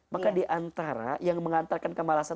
maka diantara yang mengantarkan kemalasan